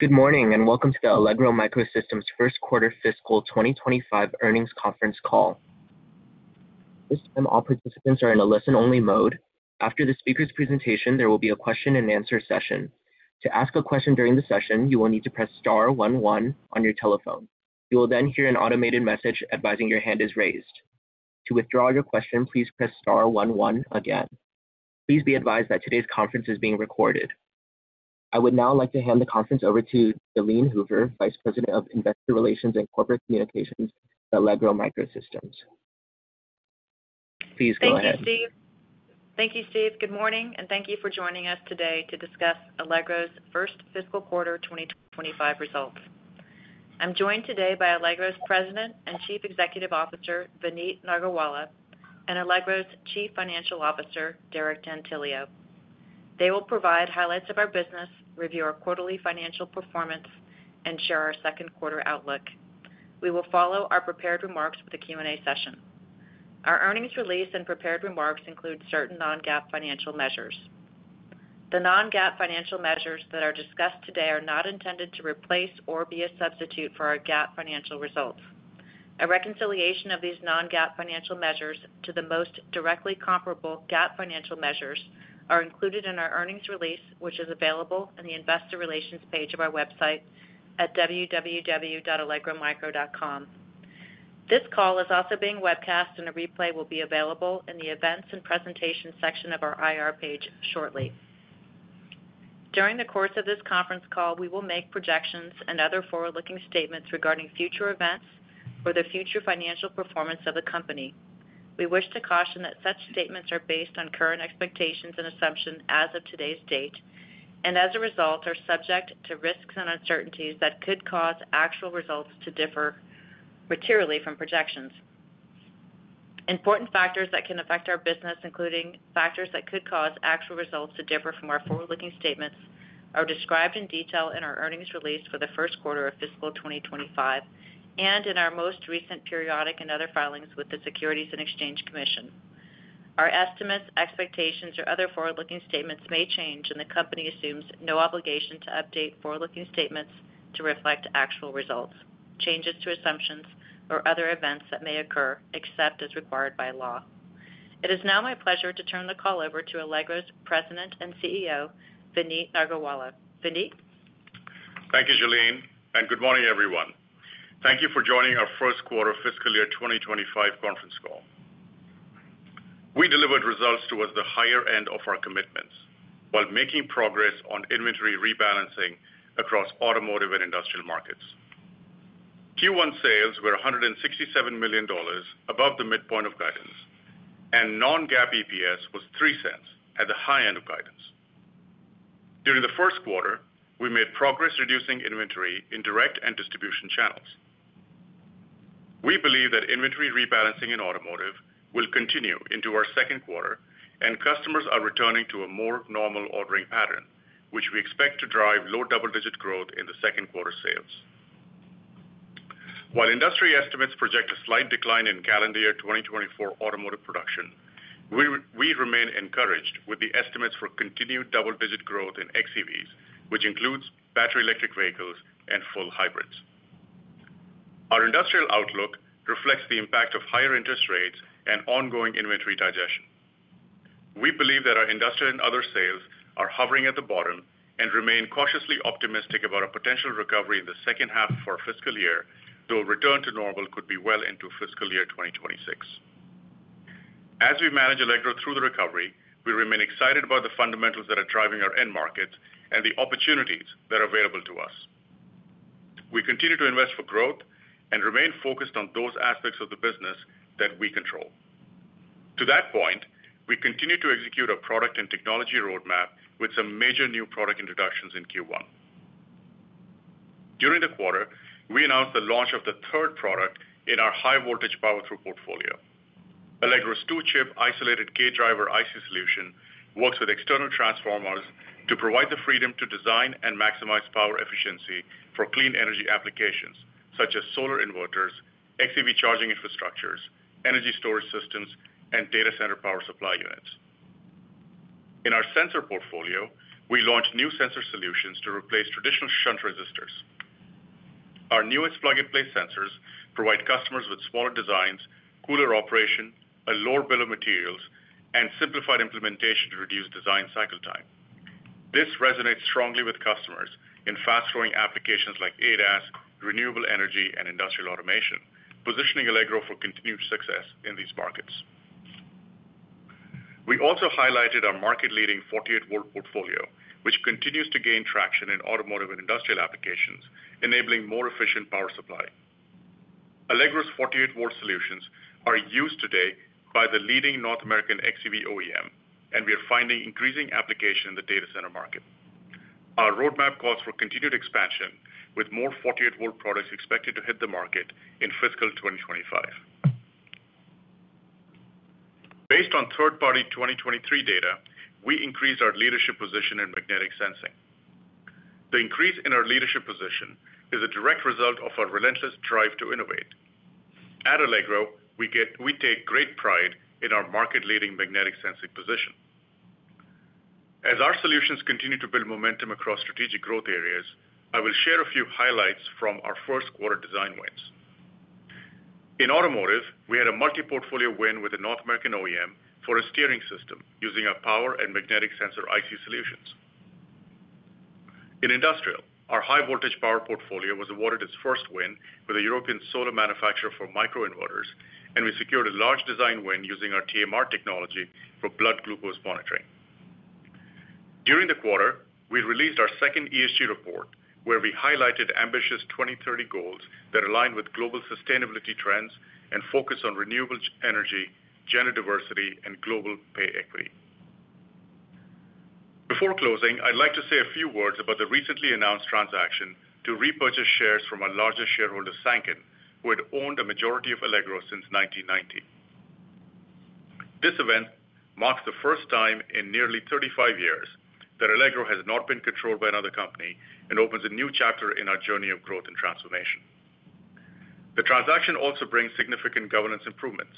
Good morning and welcome to the Allegro MicroSystems first quarter fiscal 2025 earnings conference call. This time all participants are in a listen-only mode. After the speaker's presentation, there will be a question-and-answer session. To ask a question during the session, you will need to press star one one on your telephone. You will then hear an automated message advising your hand is raised. To withdraw your question, please press star one one again. Please be advised that today's conference is being recorded. I would now like to hand the conference over to Jalene Hoover, Vice President of Investor Relations and Corporate Communications at Allegro MicroSystems. Please go ahead. Thank you, Steve. Thank you, Steve. Good morning and thank you for joining us today to discuss Allegro's first fiscal quarter 2025 results. I'm joined today by Allegro's President and Chief Executive Officer Vineet Nargolwala and Allegro's Chief Financial Officer Derek D'Antilio. They will provide highlights of our business, review our quarterly financial performance, and share our second quarter outlook. We will follow our prepared remarks with a Q&A session. Our earnings release and prepared remarks include certain non-GAAP financial measures. The non-GAAP financial measures that are discussed today are not intended to replace or be a substitute for our GAAP financial results. A reconciliation of these non-GAAP financial measures to the most directly comparable GAAP financial measures is included in our earnings release, which is available in the Investor Relations page of our website at www.allegromicro.com. This call is also being webcast, and a replay will be available in the events and presentations section of our IR page shortly. During the course of this conference call, we will make projections and other forward-looking statements regarding future events for the future financial performance of the company. We wish to caution that such statements are based on current expectations and assumptions as of today's date and, as a result, are subject to risks and uncertainties that could cause actual results to differ materially from projections. Important factors that can affect our business, including factors that could cause actual results to differ from our forward-looking statements, are described in detail in our earnings release for the first quarter of fiscal 2025 and in our most recent periodic and other filings with the Securities and Exchange Commission. Our estimates, expectations, or other forward-looking statements may change, and the company assumes no obligation to update forward-looking statements to reflect actual results, changes to assumptions, or other events that may occur except as required by law. It is now my pleasure to turn the call over to Allegro's President and CEO, Vineet Nargolwala. Vineet? Thank you, Jalene, and good morning, everyone. Thank you for joining our first quarter fiscal year 2025 conference call. We delivered results towards the higher end of our commitments while making progress on inventory rebalancing across automotive and industrial markets. Q1 sales were $167 million above the midpoint of guidance, and non-GAAP EPS was $0.03 at the high end of guidance. During the first quarter, we made progress reducing inventory in direct and distribution channels. We believe that inventory rebalancing in automotive will continue into our second quarter, and customers are returning to a more normal ordering pattern, which we expect to drive low double-digit growth in the second quarter sales. While industry estimates project a slight decline in calendar year 2024 automotive production, we remain encouraged with the estimates for continued double-digit growth in xEVs, which includes battery electric vehicles and full hybrids. Our industrial outlook reflects the impact of higher interest rates and ongoing inventory digestion. We believe that our industrial and other sales are hovering at the bottom and remain cautiously optimistic about a potential recovery in the second half of our fiscal year, though return to normal could be well into fiscal year 2026. As we manage Allegro through the recovery, we remain excited about the fundamentals that are driving our end markets and the opportunities that are available to us. We continue to invest for growth and remain focused on those aspects of the business that we control. To that point, we continue to execute our product and technology roadmap with some major new product introductions in Q1. During the quarter, we announced the launch of the third product in our high-voltage Power-Thru portfolio. Allegro's two-chip isolated gate driver IC solution works with external transformers to provide the freedom to design and maximize power efficiency for clean energy applications such as solar inverters, xEV charging infrastructures, energy storage systems, and data center power supply units. In our sensor portfolio, we launched new sensor solutions to replace traditional shunt resistors. Our newest plug-and-play sensors provide customers with smaller designs, cooler operation, a lower bill of materials, and simplified implementation to reduce design cycle time. This resonates strongly with customers in fast-growing applications like ADAS, renewable energy, and industrial automation, positioning Allegro for continued success in these markets. We also highlighted our market-leading 48-volt portfolio, which continues to gain traction in automotive and industrial applications, enabling more efficient power supply. Allegro's 48-volt solutions are used today by the leading North American xEV OEM, and we are finding increasing application in the data center market. Our roadmap calls for continued expansion with more 48-volt products expected to hit the market in fiscal 2025. Based on third-party 2023 data, we increased our leadership position in magnetic sensing. The increase in our leadership position is a direct result of our relentless drive to innovate. At Allegro, we take great pride in our market-leading magnetic sensing position. As our solutions continue to build momentum across strategic growth areas, I will share a few highlights from our first quarter design wins. In automotive, we had a multi-portfolio win with a North American OEM for a steering system using our power and magnetic sensor IC solutions. In industrial, our high-voltage power portfolio was awarded its first win with a European solar manufacturer for microinverters, and we secured a large design win using our TMR technology for blood glucose monitoring. During the quarter, we released our second ESG report, where we highlighted ambitious 2030 goals that align with global sustainability trends and focus on renewable energy, gender diversity, and global pay equity. Before closing, I'd like to say a few words about the recently announced transaction to repurchase shares from our largest shareholder, Sanken, who had owned a majority of Allegro since 1990. This event marks the first time in nearly 35 years that Allegro has not been controlled by another company and opens a new chapter in our journey of growth and transformation. The transaction also brings significant governance improvements.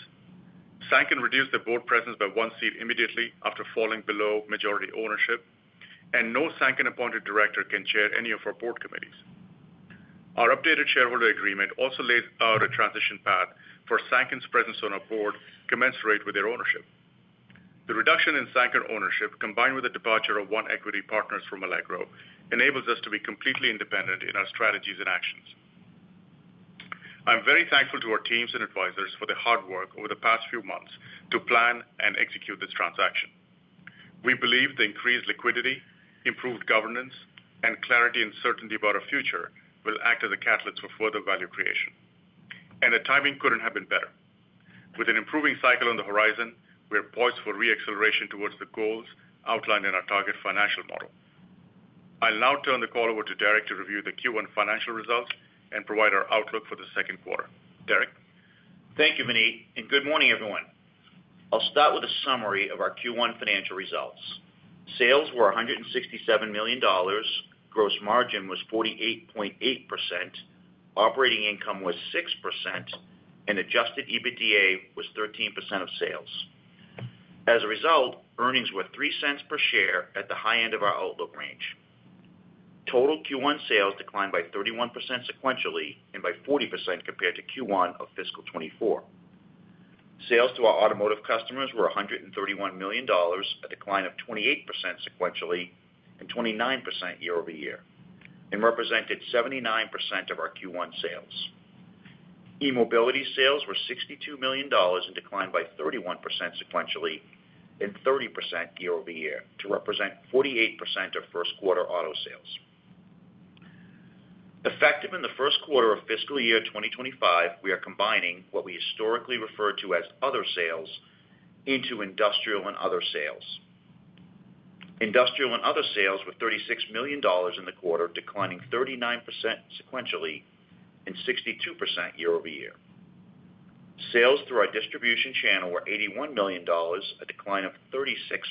Sanken reduced the board presence by one seat immediately after falling below majority ownership, and no Sanken-appointed director can chair any of our board committees. Our updated shareholder agreement also lays out a transition path for Sanken's presence on our board commensurate with their ownership. The reduction in Sanken ownership, combined with the departure of one equity partner from Allegro, enables us to be completely independent in our strategies and actions. I'm very thankful to our teams and advisors for the hard work over the past few months to plan and execute this transaction. We believe the increased liquidity, improved governance, and clarity and certainty about our future will act as a catalyst for further value creation. The timing couldn't have been better. With an improving cycle on the horizon, we are poised for re-acceleration towards the goals outlined in our target financial model. I'll now turn the call over to Derek to review the Q1 financial results and provide our outlook for the second quarter. Derek? Thank you, Vineet, and good morning, everyone. I'll start with a summary of our Q1 financial results. Sales were $167 million, gross margin was 48.8%, operating income was 6%, and adjusted EBITDA was 13% of sales. As a result, earnings were $0.03 per share at the high end of our outlook range. Total Q1 sales declined by 31% sequentially and by 40% compared to Q1 of fiscal 2024. Sales to our automotive customers were $131 million, a decline of 28% sequentially and 29% year-over-year, and represented 79% of our Q1 sales. E-mobility sales were $62 million and declined by 31% sequentially and 30% year-over-year to represent 48% of first-quarter auto sales. Effective in the first quarter of fiscal year 2025, we are combining what we historically referred to as other sales into industrial and other sales. Industrial and other sales were $36 million in the quarter, declining 39% sequentially and 62% year-over-year. Sales through our distribution channel were $81 million, a decline of 36%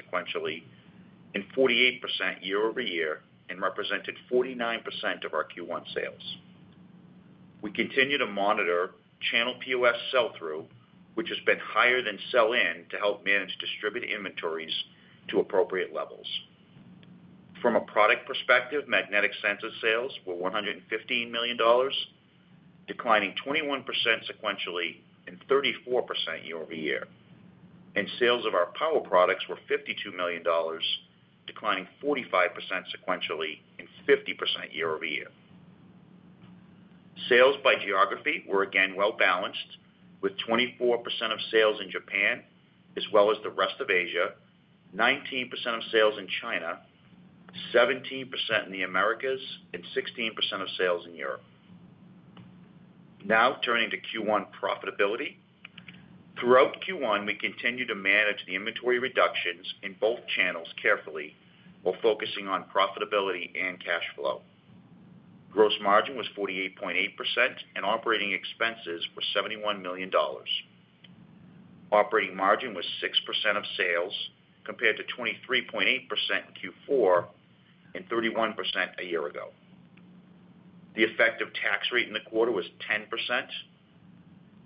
sequentially and 48% year-over-year, and represented 49% of our Q1 sales. We continue to monitor channel POS sell-through, which has been higher than sell-in to help manage distributed inventories to appropriate levels. From a product perspective, magnetic sensor sales were $115 million, declining 21% sequentially and 34% year-over-year. Sales of our power products were $52 million, declining 45% sequentially and 50% year-over-year. Sales by geography were again well-balanced, with 24% of sales in Japan as well as the rest of Asia, 19% of sales in China, 17% in the Americas, and 16% of sales in Europe. Now turning to Q1 profitability. Throughout Q1, we continue to manage the inventory reductions in both channels carefully while focusing on profitability and cash flow. Gross margin was 48.8%, and operating expenses were $71 million. Operating margin was 6% of sales compared to 23.8% in Q4 and 31% a year ago. The effective tax rate in the quarter was 10%.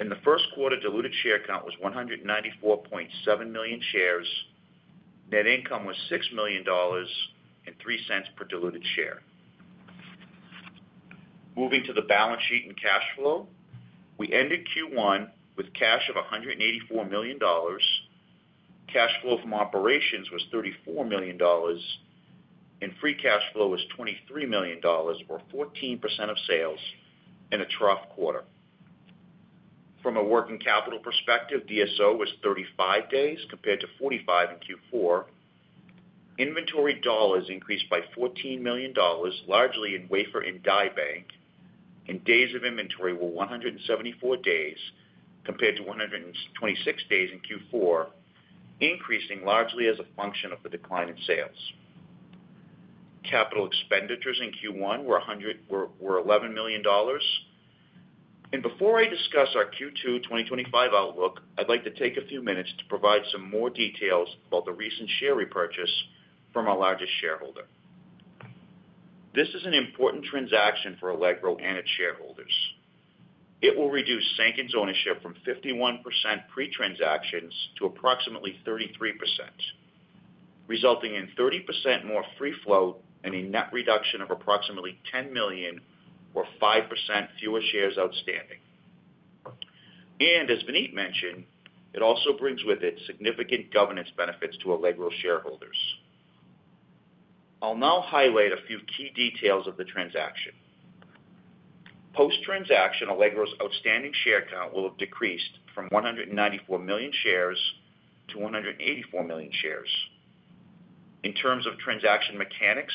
In the first quarter, diluted share count was 194.7 million shares. Net income was $6 million and 3 cents per diluted share. Moving to the balance sheet and cash flow, we ended Q1 with cash of $184 million. Cash flow from operations was $34 million, and free cash flow was $23 million, or 14% of sales in a trough quarter. From a working capital perspective, DSO was 35 days compared to 45 in Q4. Inventory dollars increased by $14 million, largely in wafer and die bank, and days of inventory were 174 days compared to 126 days in Q4, increasing largely as a function of the decline in sales. Capital expenditures in Q1 were $11 million. Before I discuss our Q2 2025 outlook, I'd like to take a few minutes to provide some more details about the recent share repurchase from our largest shareholder. This is an important transaction for Allegro and its shareholders. It will reduce Sanken's ownership from 51% pre-transaction to approximately 33%, resulting in 30% more free float and a net reduction of approximately $10 million, or 5% fewer shares outstanding. As Vineet mentioned, it also brings with it significant governance benefits to Allegro shareholders. I'll now highlight a few key details of the transaction. Post-transaction, Allegro's outstanding share count will have decreased from 194 million shares to 184 million shares. In terms of transaction mechanics,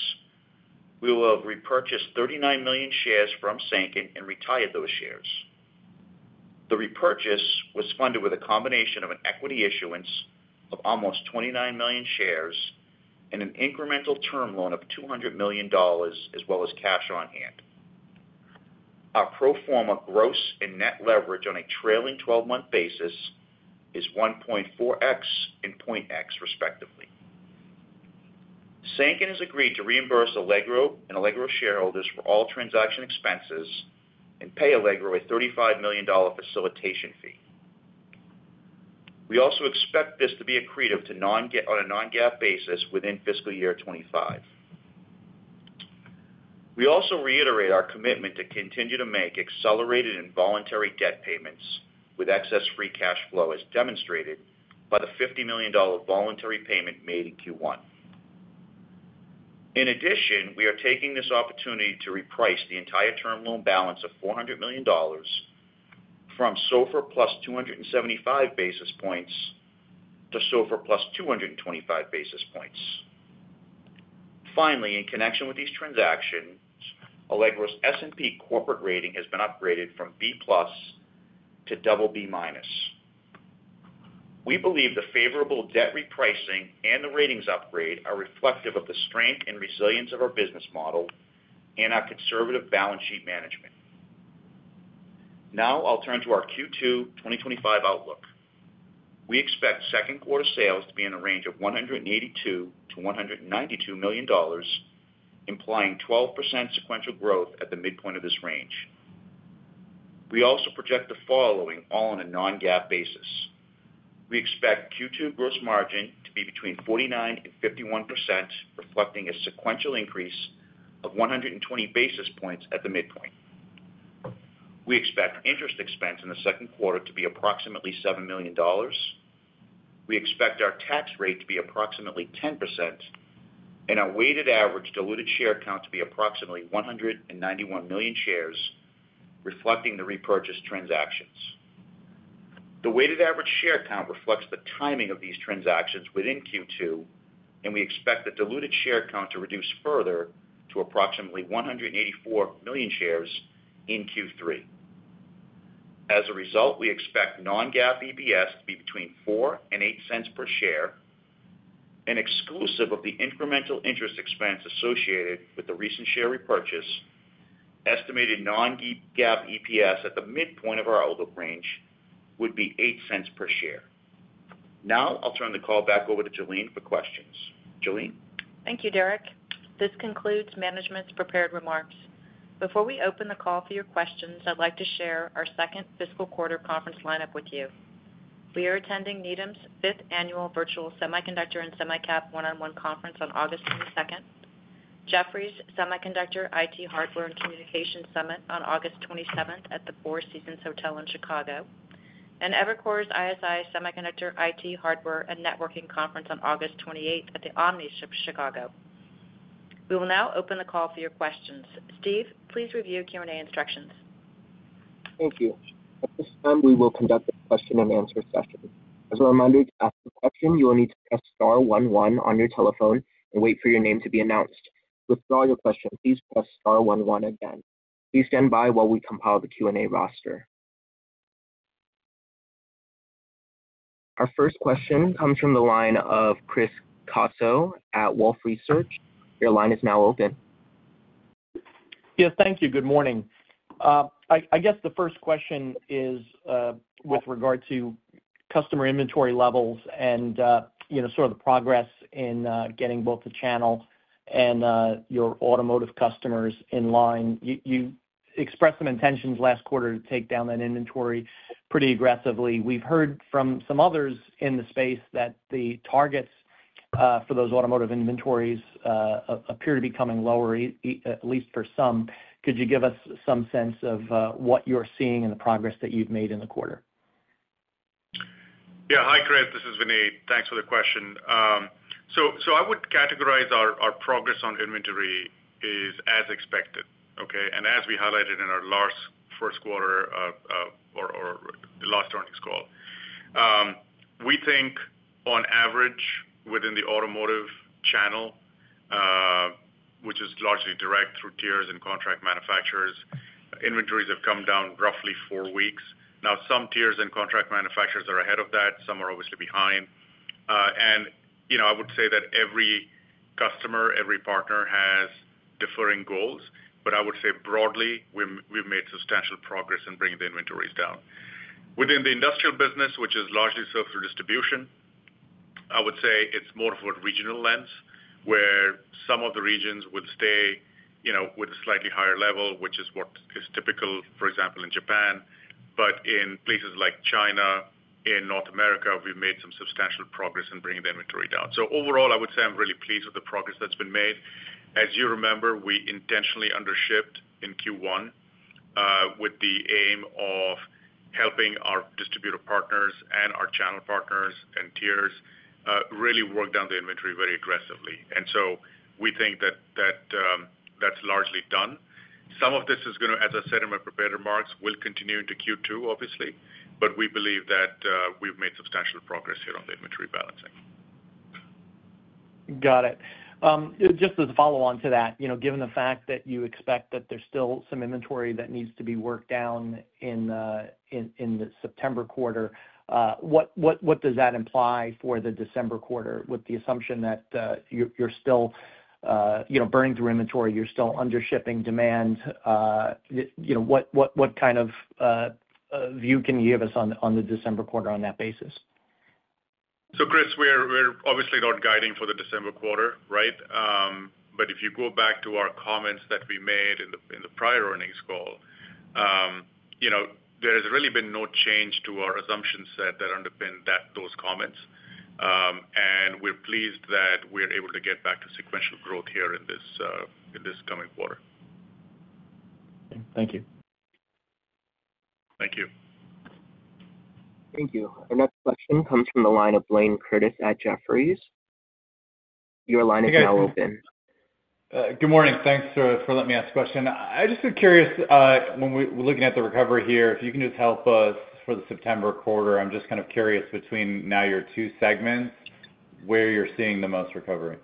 we will have repurchased 39 million shares from Sanken and retired those shares. The repurchase was funded with a combination of an equity issuance of almost 29 million shares and an incremental term loan of $200 million, as well as cash on hand. Our pro forma gross and net leverage on a trailing 12-month basis is 1.4x and 0.x, respectively. Sanken has agreed to reimburse Allegro and Allegro shareholders for all transaction expenses and pay Allegro a $35 million facilitation fee. We also expect this to be accretive on a non-GAAP basis within fiscal year 2025. We also reiterate our commitment to continue to make accelerated and voluntary debt payments with excess free cash flow, as demonstrated by the $50 million voluntary payment made in Q1. In addition, we are taking this opportunity to reprice the entire term loan balance of $400 million from SOFR plus 275 basis points to SOFR plus 225 basis points. Finally, in connection with these transactions, Allegro's S&P corporate rating has been upgraded from B plus to double B minus. We believe the favorable debt repricing and the ratings upgrade are reflective of the strength and resilience of our business model and our conservative balance sheet management. Now I'll turn to our Q2 2025 outlook. We expect second quarter sales to be in the range of $182 million-$192 million, implying 12% sequential growth at the midpoint of this range. We also project the following all on a non-GAAP basis. We expect Q2 gross margin to be between 49%-51%, reflecting a sequential increase of 120 basis points at the midpoint. We expect interest expense in the second quarter to be approximately $7 million. We expect our tax rate to be approximately 10%, and our weighted average diluted share count to be approximately 191 million shares, reflecting the repurchased transactions. The weighted average share count reflects the timing of these transactions within Q2, and we expect the diluted share count to reduce further to approximately 184 million shares in Q3. As a result, we expect non-GAAP EPS to be between $0.04-$0.08 per share. Exclusive of the incremental interest expense associated with the recent share repurchase, estimated non-GAAP EPS at the midpoint of our outlook range would be $0.08 per share. Now I'll turn the call back over to Jalene for questions. Jalene? Thank you, Derek. This concludes management's prepared remarks. Before we open the call for your questions, I'd like to share our second fiscal quarter conference lineup with you. We are attending Needham's Fifth Annual Virtual Semiconductor and Semicap One-on-One Conference on August 22nd, Jefferies' Semiconductor IT, Hardware and Communication Summit on August 27th at the Four Seasons Hotel in Chicago, and Evercore ISI's Semiconductor, IT Hardware and Networking Conference on August 28th at the Omni Chicago. We will now open the call for your questions. Steve, please review Q&A instructions. Thank you. At this time, we will conduct a question and answer session. As a reminder, to ask a question, you will need to press star one one on your telephone and wait for your name to be announced. Withdraw your question. Please press star one one again. Please stand by while we compile the Q&A roster. Our first question comes from the line of Chris Caso at Wolfe Research. Your line is now open. Yeah, thank you. Good morning. I guess the first question is with regard to customer inventory levels and sort of the progress in getting both the channel and your automotive customers in line. You expressed some intentions last quarter to take down that inventory pretty aggressively. We've heard from some others in the space that the targets for those automotive inventories appear to be coming lower, at least for some. Could you give us some sense of what you're seeing and the progress that you've made in the quarter? Yeah. Hi, Chris. This is Vineet. Thanks for the question. So I would categorize our progress on inventory as expected, okay, and as we highlighted in our last first quarter or last earnings call. We think, on average, within the automotive channel, which is largely direct through tiers and contract manufacturers, inventories have come down roughly four weeks. Now, some tiers and contract manufacturers are ahead of that. Some are obviously behind. And I would say that every customer, every partner has differing goals, but I would say broadly, we've made substantial progress in bringing the inventories down. Within the industrial business, which is largely served through distribution, I would say it's more of a regional lens where some of the regions would stay with a slightly higher level, which is what is typical, for example, in Japan. But in places like China and North America, we've made some substantial progress in bringing the inventory down. So overall, I would say I'm really pleased with the progress that's been made. As you remember, we intentionally undershipped in Q1 with the aim of helping our distributor partners and our channel partners and tiers really work down the inventory very aggressively. And so we think that that's largely done. Some of this is going to, as I said in my prepared remarks, will continue into Q2, obviously, but we believe that we've made substantial progress here on the inventory balancing. Got it. Just as a follow-on to that, given the fact that you expect that there's still some inventory that needs to be worked down in the September quarter, what does that imply for the December quarter with the assumption that you're still burning through inventory, you're still undershipping demand? What kind of view can you give us on the December quarter on that basis? So, Chris, we're obviously not guiding for the December quarter, right? But if you go back to our comments that we made in the prior earnings call, there has really been no change to our assumption set that underpinned those comments. And we're pleased that we're able to get back to sequential growth here in this coming quarter. Thank you. Thank you. Thank you. Our next question comes from the line of Blayne Curtis at Jefferies. Your line is now open. Good morning. Thanks for letting me ask a question. I just am curious, when we're looking at the recovery here, if you can just help us for the September quarter. I'm just kind of curious between now your two segments, where you're seeing the most recovery.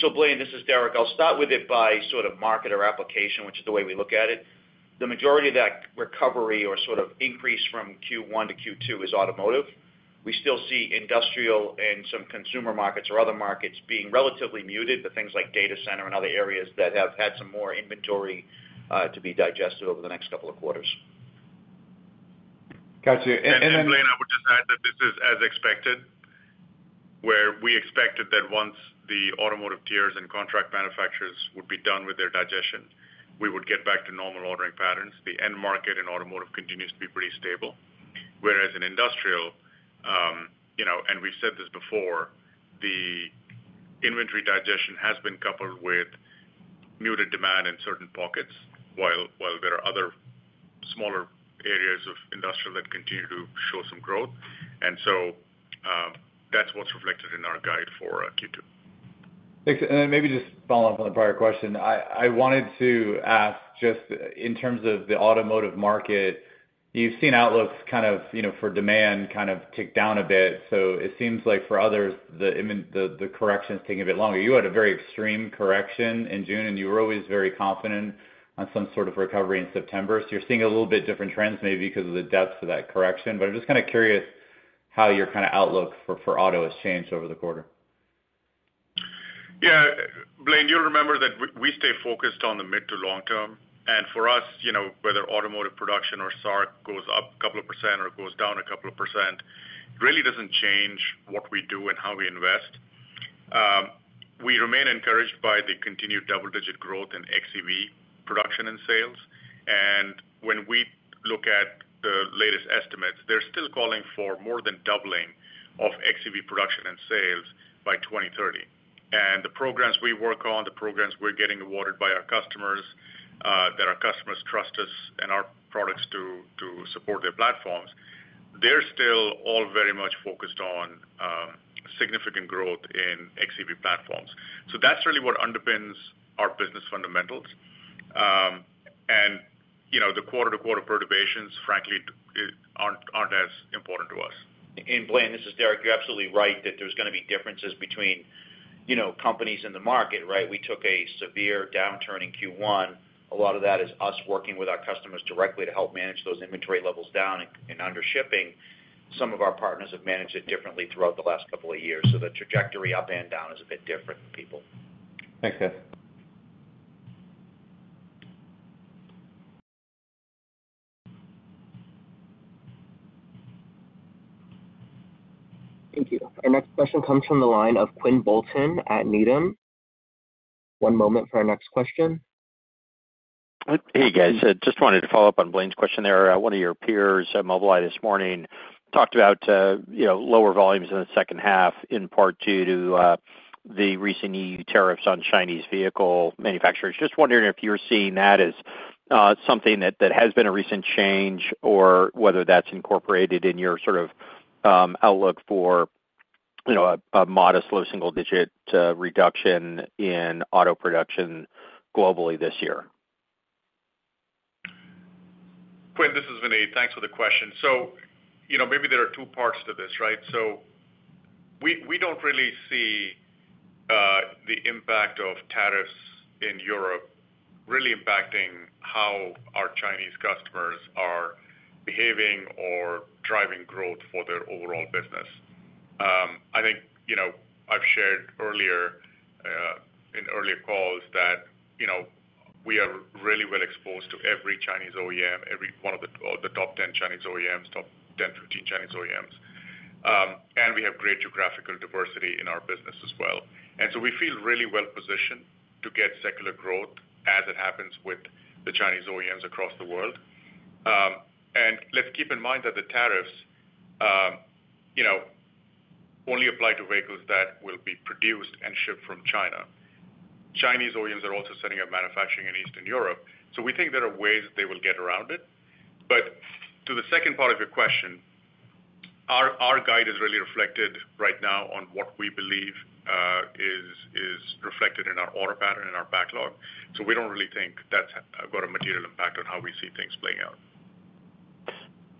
So, Blayne, this is Derek. I'll start with it by sort of market or application, which is the way we look at it. The majority of that recovery or sort of increase from Q1 to Q2 is automotive. We still see industrial and some consumer markets or other markets being relatively muted, but things like data center and other areas that have had some more inventory to be digested over the next couple of quarters. Gotcha. And then. And Blayne, I would just add that this is as expected, where we expected that once the automotive tiers and contract manufacturers would be done with their digestion, we would get back to normal ordering patterns. The end market in automotive continues to be pretty stable, whereas in industrial, and we've said this before, the inventory digestion has been coupled with muted demand in certain pockets, while there are other smaller areas of industrial that continue to show some growth. And so that's what's reflected in our guide for Q2. Thanks. And then maybe just following up on the prior question, I wanted to ask just in terms of the automotive market, you've seen outlooks kind of for demand kind of tick down a bit. So it seems like for others, the correction is taking a bit longer. You had a very extreme correction in June, and you were always very confident on some sort of recovery in September. So you're seeing a little bit different trends maybe because of the depth of that correction. But I'm just kind of curious how your kind of outlook for auto has changed over the quarter. Yeah. Blayne, you'll remember that we stay focused on the mid- to long-term. For us, whether automotive production or SAAR goes up a couple of % or goes down a couple of %, it really doesn't change what we do and how we invest. We remain encouraged by the continued double-digit growth in xEV production and sales. When we look at the latest estimates, they're still calling for more than doubling of xEV production and sales by 2030. The programs we work on, the programs we're getting awarded by our customers, that our customers trust us and our products to support their platforms, they're still all very much focused on significant growth in xEV platforms. So that's really what underpins our business fundamentals. The quarter-to-quarter perturbations, frankly, aren't as important to us. Blayne, this is Derek. You're absolutely right that there's going to be differences between companies in the market, right? We took a severe downturn in Q1. A lot of that is us working with our customers directly to help manage those inventory levels down and undershipping. Some of our partners have managed it differently throughout the last couple of years. So the trajectory up and down is a bit different for people. Thanks, Derek. Thank you. Our next question comes from the line of Quinn Bolton at Needham. One moment for our next question. Hey, guys. Just wanted to follow up on Blayne's question there. One of your peers at Mobileye this morning talked about lower volumes in the second half in part due to the recent EU tariffs on Chinese vehicle manufacturers. Just wondering if you're seeing that as something that has been a recent change or whether that's incorporated in your sort of outlook for a modest low single-digit reduction in auto production globally this year? Quinn, this is Vineet. Thanks for the question. So maybe there are 2 parts to this, right? So we don't really see the impact of tariffs in Europe really impacting how our Chinese customers are behaving or driving growth for their overall business. I think I've shared earlier in earlier calls that we are really well exposed to every Chinese OEM, every one of the top 10 Chinese OEMs, top 10, 15 Chinese OEMs. And we have great geographical diversity in our business as well. And so we feel really well positioned to get secular growth as it happens with the Chinese OEMs across the world. And let's keep in mind that the tariffs only apply to vehicles that will be produced and shipped from China. Chinese OEMs are also setting up manufacturing in Eastern Europe. So we think there are ways they will get around it. But to the second part of your question, our guide is really reflected right now on what we believe is reflected in our order pattern and our backlog. So we don't really think that's got a material impact on how we see things playing out.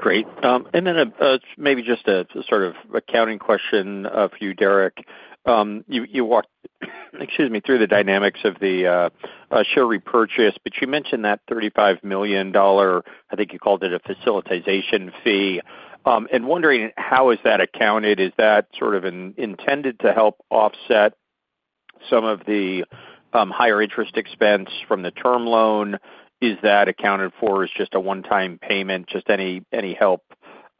Great. And then maybe just a sort of accounting question for you, Derek. You walked, excuse me, through the dynamics of the share repurchase, but you mentioned that $35 million, I think you called it a facilitation fee. And wondering how is that accounted? Is that sort of intended to help offset some of the higher interest expense from the term loan? Is that accounted for as just a one-time payment? Just any help,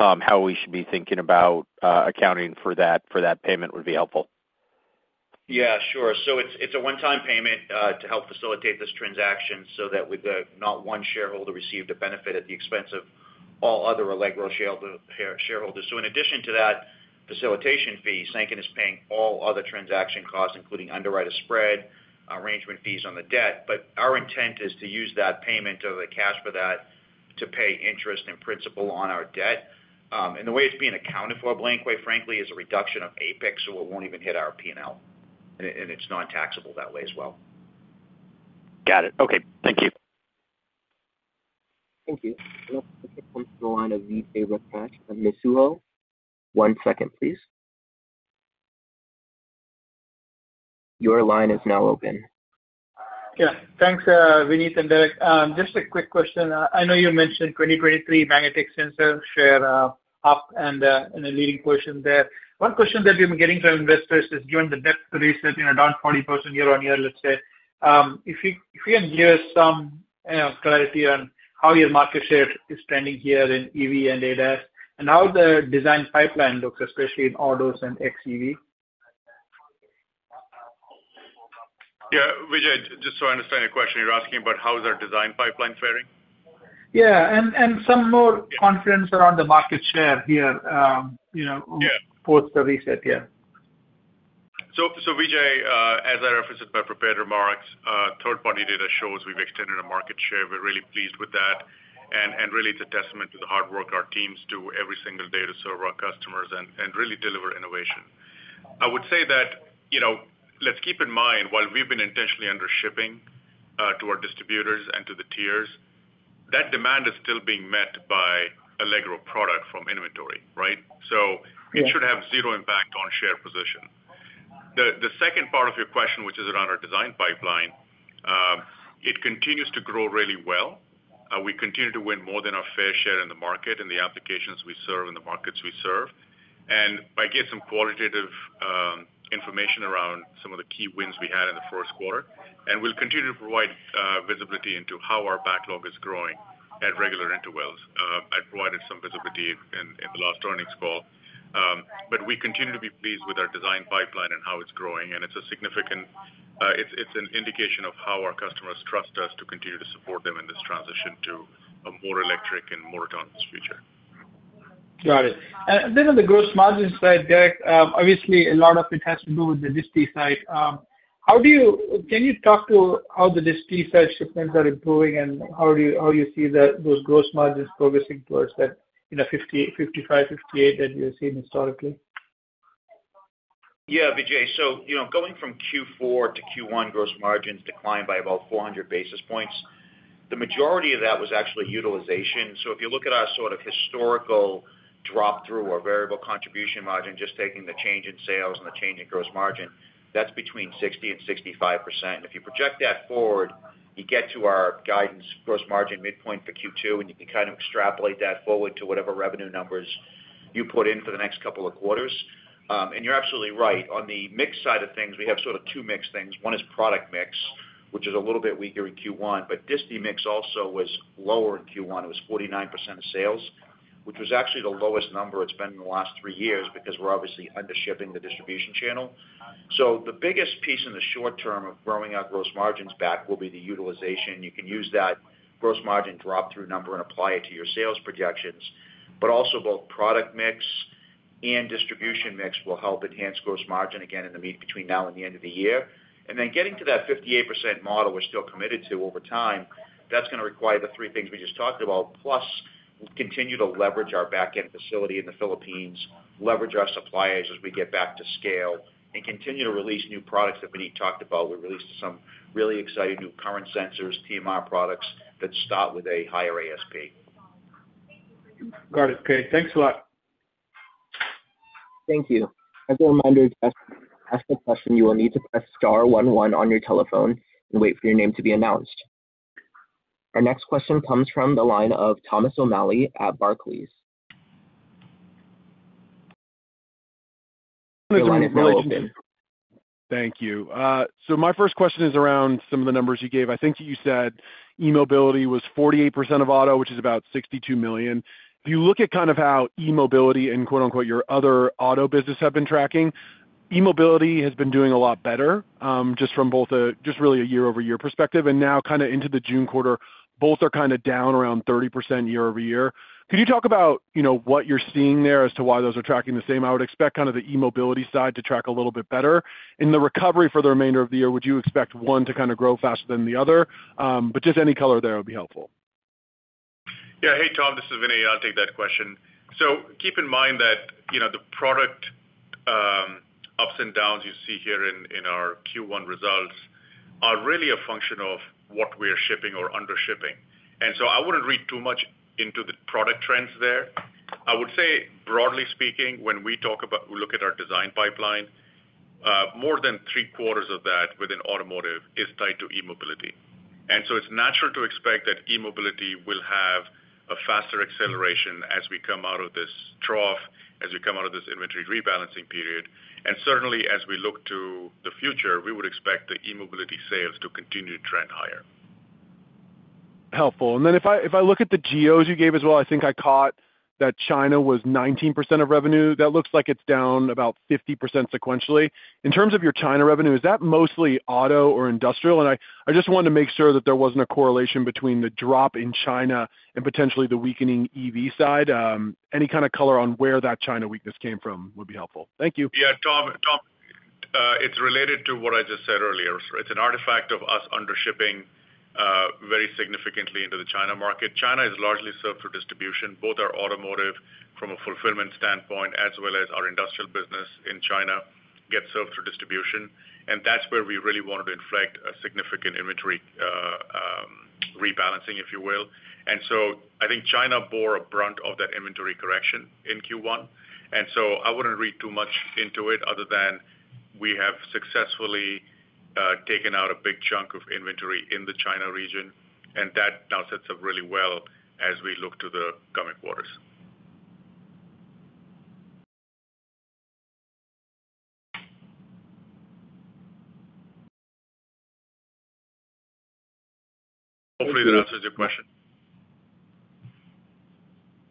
how we should be thinking about accounting for that payment would be helpful. Yeah, sure. So it's a one-time payment to help facilitate this transaction so that not one shareholder received a benefit at the expense of all other Allegro shareholders. So in addition to that facilitation fee, Sanken is paying all other transaction costs, including underwriter spread, arrangement fees on the debt. But our intent is to use that payment of the cash for that to pay interest and principal on our debt. And the way it's being accounted for, basically, frankly, is a reduction of APIC, so it won't even hit our P&L. And it's non-taxable that way as well. Got it. Okay. Thank you. Thank you. Next comes the line of Vijay Rakesh of Mizuho. One second, please. Your line is now open. Yeah. Thanks, Vineet and Derek. Just a quick question. I know you mentioned 2023 magnetic sensor share up and in a leading position there. One question that we've been getting from investors is, given the depth of research, around 40% year-over-year, let's say, if you can give us some clarity on how your market share is trending here in EV and ADAS and how the design pipeline looks, especially in autos and XEV? Yeah. Vijay, just so I understand your question, you're asking about how is our design pipeline faring? Yeah. And some more confidence around the market share here. Post the reset, yeah. So Vijay, as I referenced in my prepared remarks, third-party data shows we've extended our market share. We're really pleased with that. And really, it's a testament to the hard work our teams do every single day to serve our customers and really deliver innovation. I would say that let's keep in mind, while we've been intentionally undershipping to our distributors and to the tiers, that demand is still being met by Allegro product from inventory, right? So it should have zero impact on share position. The second part of your question, which is around our design pipeline, it continues to grow really well. We continue to win more than our fair share in the market and the applications we serve and the markets we serve. And I get some qualitative information around some of the key wins we had in the first quarter. We'll continue to provide visibility into how our backlog is growing at regular intervals. I provided some visibility in the last earnings call. We continue to be pleased with our design pipeline and how it's growing. It's an indication of how our customers trust us to continue to support them in this transition to a more electric and more autonomous future. Got it. Then on the gross margin side, Derek, obviously, a lot of it has to do with the mix side. Can you talk to how the mix side shipments are improving and how you see those gross margins progressing towards that 55%-58% that you've seen historically? Yeah, Vijay. So going from Q4 to Q1, gross margins declined by about 400 basis points. The majority of that was actually utilization. So if you look at our sort of historical drop-through or variable contribution margin, just taking the change in sales and the change in gross margin, that's between 60%-65%. And if you project that forward, you get to our guidance gross margin midpoint for Q2, and you can kind of extrapolate that forward to whatever revenue numbers you put in for the next couple of quarters. And you're absolutely right. On the mix side of things, we have sort of two mixed things. One is product mix, which is a little bit weaker in Q1. But distinct mix also was lower in Q1. It was 49% of sales, which was actually the lowest number it's been in the last three years because we're obviously undershipping the distribution channel. So the biggest piece in the short term of growing our gross margins back will be the utilization. You can use that gross margin drop-through number and apply it to your sales projections. But also both product mix and distribution mix will help enhance gross margin again in the meantime between now and the end of the year. And then getting to that 58% model we're still committed to over time, that's going to require the three things we just talked about, plus continue to leverage our backend facility in the Philippines, leverage our suppliers as we get back to scale, and continue to release new products that we talked about. We released some really exciting new current sensors, TMR products that start with a higher ASP. Got it. Okay. Thanks a lot. Thank you. As a reminder, to ask the question, you will need to press star one one on your telephone and wait for your name to be announced. Our next question comes from the line of Thomas O'Malley at Barclays. Thank you. So my first question is around some of the numbers you gave. I think that you said e-mobility was 48% of auto, which is about $62 million. If you look at kind of how e-mobility and "your other auto business" have been tracking, e-mobility has been doing a lot better just from both a just really a year-over-year perspective. And now kind of into the June quarter, both are kind of down around 30% year-over-year. Could you talk about what you're seeing there as to why those are tracking the same? I would expect kind of the e-mobility side to track a little bit better. In the recovery for the remainder of the year, would you expect one to kind of grow faster than the other? But just any color there would be helpful. Yeah. Hey, Tom, this is Vineet. I'll take that question. So keep in mind that the product ups and downs you see here in our Q1 results are really a function of what we're shipping or undershipping. And so I wouldn't read too much into the product trends there. I would say, broadly speaking, when we talk about we look at our design pipeline, more than three-quarters of that within automotive is tied to e-mobility. And so it's natural to expect that e-mobility will have a faster acceleration as we come out of this trough, as we come out of this inventory rebalancing period. And certainly, as we look to the future, we would expect the e-mobility sales to continue to trend higher. Helpful. Then if I look at the geos you gave as well, I think I caught that China was 19% of revenue. That looks like it's down about 50% sequentially. In terms of your China revenue, is that mostly auto or industrial? And I just wanted to make sure that there wasn't a correlation between the drop in China and potentially the weakening EV side. Any kind of color on where that China weakness came from would be helpful. Thank you. Yeah. Tom, it's related to what I just said earlier. It's an artifact of us undershipping very significantly into the China market. China is largely served through distribution. Both our automotive, from a fulfillment standpoint, as well as our industrial business in China, gets served through distribution. And that's where we really wanted to inflict a significant inventory rebalancing, if you will. And so I think China bore a brunt of that inventory correction in Q1. And so I wouldn't read too much into it other than we have successfully taken out a big chunk of inventory in the China region. And that now sets up really well as we look to the coming quarters. Hopefully, that answers your question.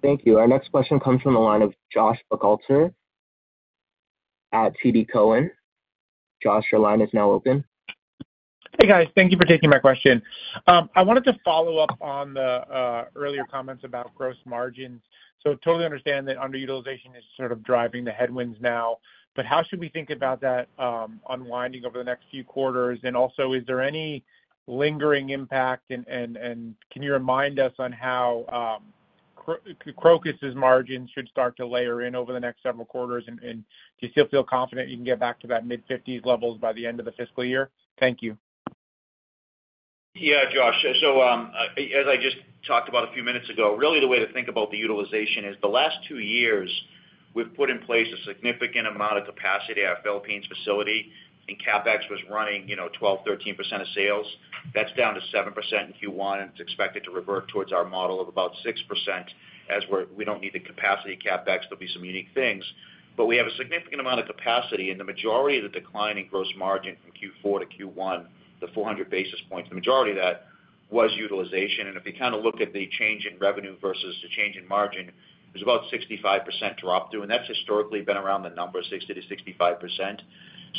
Thank you. Our next question comes from the line of Josh Buchalter at TD Cowen. Josh, your line is now open. Hey, guys. Thank you for taking my question. I wanted to follow up on the earlier comments about gross margins. So totally understand that underutilization is sort of driving the headwinds now. But how should we think about that unwinding over the next few quarters? And also, is there any lingering impact? And can you remind us on how Crocus's margins should start to layer in over the next several quarters? And do you still feel confident you can get back to that mid-50s levels by the end of the fiscal year? Thank you. Yeah, Josh. So as I just talked about a few minutes ago, really the way to think about the utilization is the last two years, we've put in place a significant amount of capacity at our Philippines facility. And CapEx was running 12%-13% of sales. That's down to 7% in Q1. And it's expected to revert towards our model of about 6% as we don't need the capacity CapEx. There'll be some unique things. But we have a significant amount of capacity. And the majority of the decline in gross margin from Q4 to Q1, the 400 basis points, the majority of that was utilization. And if you kind of look at the change in revenue versus the change in margin, there's about 65% drop-through. And that's historically been around the number, 60%-65%.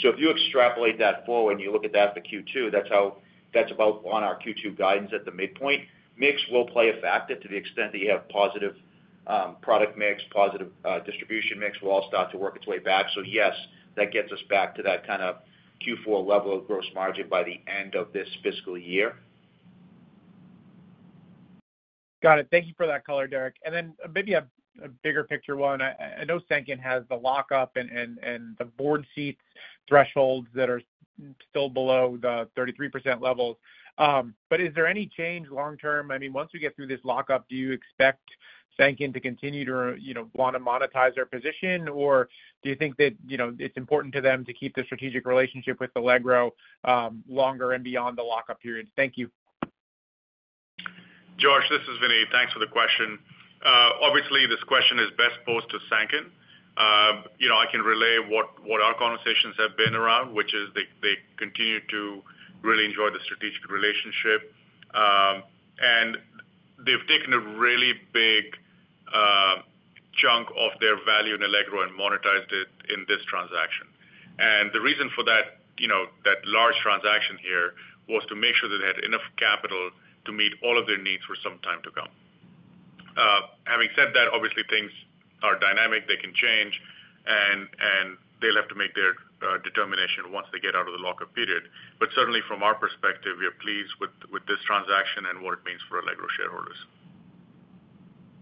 So if you extrapolate that forward and you look at that for Q2, that's about on our Q2 guidance at the midpoint. Mix will play a factor to the extent that you have positive product mix, positive distribution mix, will all start to work its way back. So yes, that gets us back to that kind of Q4 level of gross margin by the end of this fiscal year. Got it. Thank you for that color, Derek. And then maybe a bigger picture one. I know Sanken has the lockup and the board seats thresholds that are still below the 33% levels. But is there any change long-term? I mean, once we get through this lockup, do you expect Sanken to continue to want to monetize their position? Or do you think that it's important to them to keep the strategic relationship with Allegro longer and beyond the lockup period? Thank you. Josh, this is Vineet. Thanks for the question. Obviously, this question is best posed to Sanken. I can relay what our conversations have been around, which is they continue to really enjoy the strategic relationship. And they've taken a really big chunk of their value in Allegro and monetized it in this transaction. And the reason for that large transaction here was to make sure that they had enough capital to meet all of their needs for some time to come. Having said that, obviously, things are dynamic. They can change. And they'll have to make their determination once they get out of the lockup period. But certainly, from our perspective, we are pleased with this transaction and what it means for Allegro shareholders.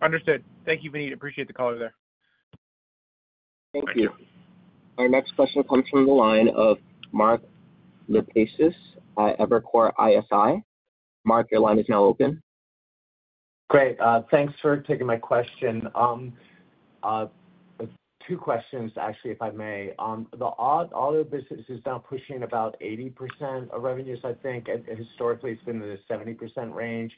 Understood. Thank you, Vineet. Appreciate the color there. Thank you. Our next question comes from the line of Mark Lipacis at Evercore ISI. Mark, your line is now open. Great. Thanks for taking my question. Two questions, actually, if I may. The auto business is now pushing about 80% of revenues, I think. Historically, it's been in the 70% range.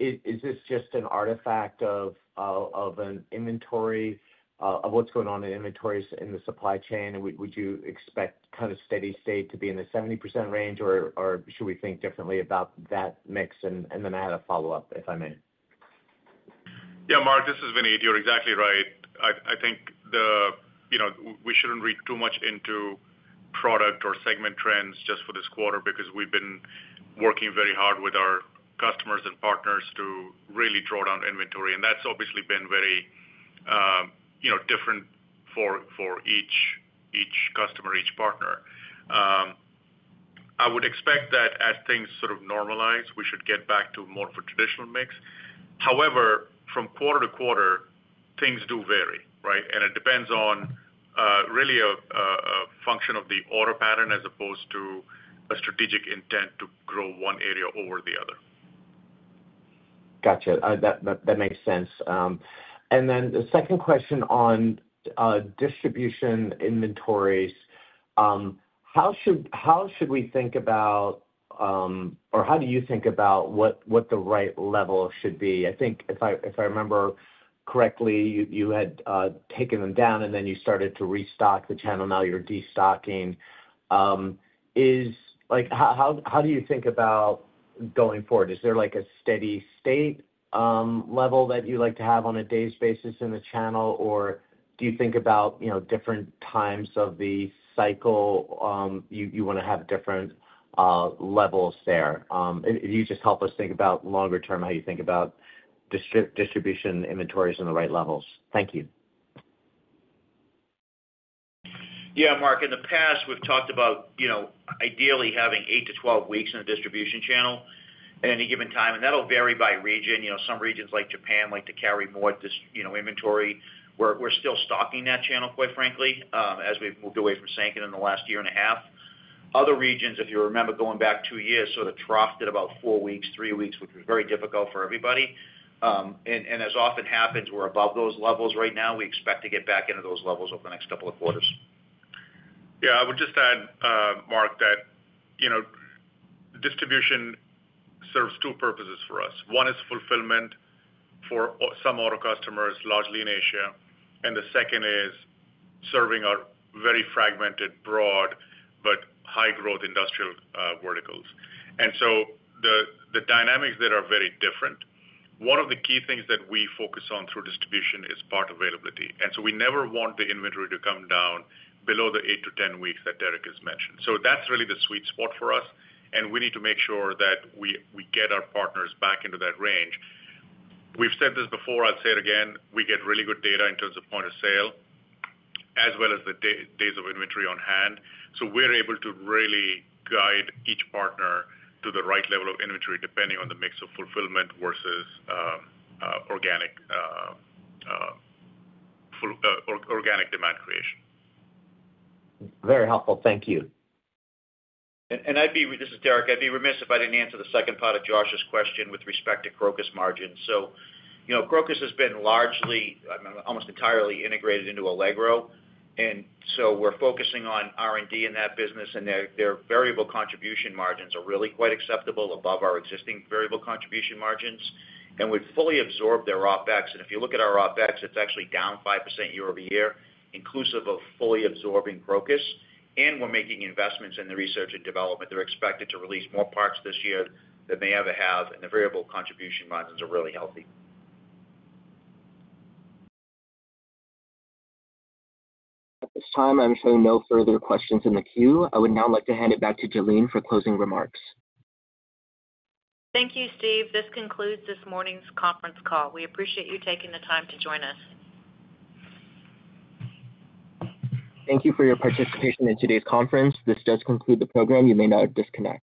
Is this just an artifact of an inventory, of what's going on in inventories in the supply chain? And would you expect kind of steady state to be in the 70% range, or should we think differently about that mix? And then I had a follow-up, if I may. Yeah, Mark, this is Vineet. You're exactly right. I think we shouldn't read too much into product or segment trends just for this quarter because we've been working very hard with our customers and partners to really draw down inventory. And that's obviously been very different for each customer, each partner. I would expect that as things sort of normalize, we should get back to more of a traditional mix. However, from quarter to quarter, things do vary, right? And it depends on really a function of the order pattern as opposed to a strategic intent to grow one area over the other. Gotcha. That makes sense. And then the second question on distribution inventories, how should we think about or how do you think about what the right level should be? I think if I remember correctly, you had taken them down, and then you started to restock the channel. Now you're destocking. How do you think about going forward? Is there a steady state level that you like to have on a daily basis in the channel, or do you think about different times of the cycle you want to have different levels there? If you just help us think about longer term, how you think about distribution inventories and the right levels. Thank you. Yeah, Mark. In the past, we've talked about ideally having 8-12 weeks in the distribution channel at any given time. That'll vary by region. Some regions like Japan like to carry more inventory. We're still stocking that channel, quite frankly, as we've moved away from Sanken in the last year and a half. Other regions, if you remember going back 2 years, sort of troughed at about 4 weeks, 3 weeks, which was very difficult for everybody. As often happens, we're above those levels right now. We expect to get back into those levels over the next couple of quarters. Yeah. I would just add, Mark, that distribution serves 2 purposes for us. One is fulfillment for some auto customers, largely in Asia. The second is serving our very fragmented, broad, but high-growth industrial verticals. So the dynamics there are very different. One of the key things that we focus on through distribution is part availability. So we never want the inventory to come down below the 8-10 weeks that Derek has mentioned. That's really the sweet spot for us. We need to make sure that we get our partners back into that range. We've said this before. I'll say it again. We get really good data in terms of point of sale as well as the days of inventory on hand. So we're able to really guide each partner to the right level of inventory depending on the mix of fulfillment versus organic demand creation. Very helpful. Thank you. This is Derek. I'd be remiss if I didn't answer the second part of Josh's question with respect to Crocus margins. Crocus has been largely, almost entirely integrated into Allegro. We're focusing on R&D in that business. Their variable contribution margins are really quite acceptable above our existing variable contribution margins. We fully absorb their OpEx. If you look at our OpEx, it's actually down 5% year-over-year, inclusive of fully absorbing Crocus. We're making investments in the research and development. They're expected to release more parts this year than they ever have. The variable contribution margins are really healthy. At this time, I'm hearing no further questions in the queue. I would now like to hand it back to Jalene for closing remarks. Thank you, Steve. This concludes this morning's conference call. We appreciate you taking the time to join us. Thank you for your participation in today's conference. This does conclude the program. You may now disconnect.